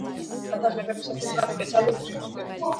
გადაღებებისთვის მას სპეციალურ გრიმს უკეთებდნენ.